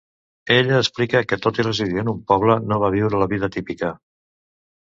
Ella explica que tot i residir en un poble, no va viure la vida típica.